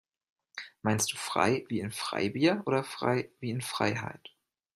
Meinst du frei wie in Freibier oder frei wie in Freiheit?